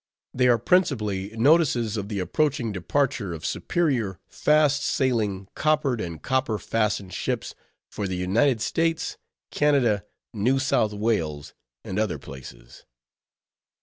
They are principally notices of the approaching departure of "superior, fast sailing, coppered and copper fastened ships," for the United States, Canada, New South Wales, and other places.